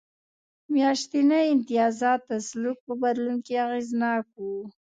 میاشتني امتیازات د سلوک په بدلون کې اغېزناک و.